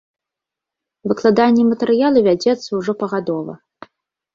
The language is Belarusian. Выкладанне матэрыялу вядзецца ўжо пагадова.